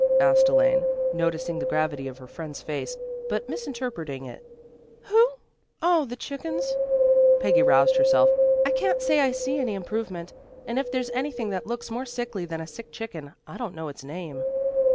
asked Elaine, noticing the gravity of her friend's face, but misinterpreting it. "Who? Oh, the chickens." Peggy roused herself. "I can't say that I see any improvement. And if there's anything that looks more sickly than a sick chicken, I don't know its name."